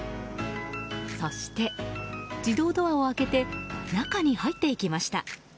そして、自動ドアを開けて中に入っていきました。